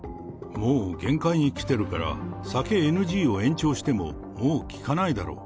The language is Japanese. もう限界に来てるから、酒ＮＧを延長してももう聞かないだろう。